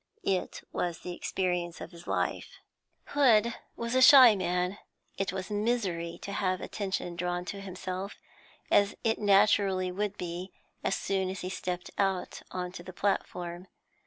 It was the experience of his life. Hood was a shy man; it was misery to have attention drawn to himself as it naturally would be as soon as he stepped out on to the platform.